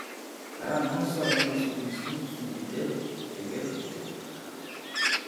Дараа нь муулсан хонины сүүлнээс нэг зүсмийг идээд эргээд хэвтэв.